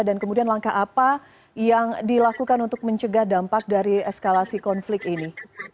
dan kemudian langkah apa yang dilakukan untuk mencegah dampak dari eskalasi konflik ini